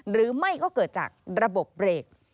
หรือไม่ก็เกิดจากระบบเบรก